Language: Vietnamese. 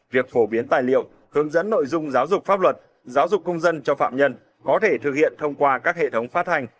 việc phổ biến tài liệu hướng dẫn nội dung giáo dục pháp luật giáo dục công dân cho phạm nhân có thể thực hiện thông qua các hệ thống phát hành